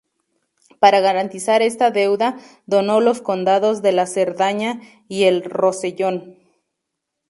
Para garantizar esta deuda, donó los condados de la Cerdaña y el Rosellón.